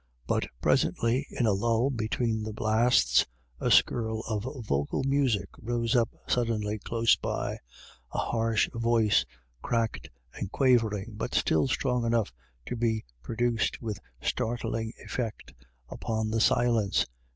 But presently, in a lull between the blasts, a skirl of vocal music rose up suddenly close by — a harsh voice, cracked and quavering, but still strong enough to be produced with start ling effect upon the silence.